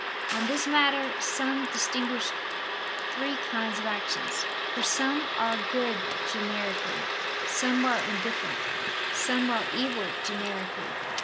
On this matter, some distinguished three kinds of actions: for some are good generically; some are indifferent; some are evil generically.